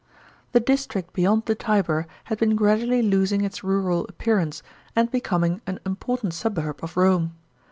The district beyond the Tiber had been gradually losing its rural appearance and becoming an important suburb of Rome.